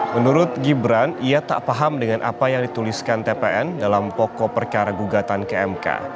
menurut gibran ia tak paham dengan apa yang dituliskan tpn dalam pokok perkara gugatan ke mk